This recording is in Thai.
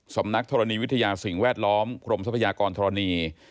สำนักธรณีวิทยาสิ่งแวดล้อมกรมทรัพยากรธรณี